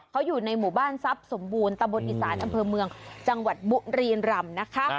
เขาอยู่ในหมู่บ้านทรัพย์สมบูรณ์ตออเมืองจบุรีรำ